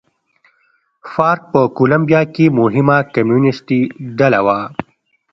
فارک په کولمبیا کې مهمه کمونېستي ډله وه.